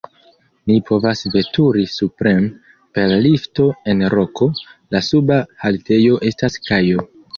Ni povas veturi supren per lifto en roko, la suba haltejo estas kajo.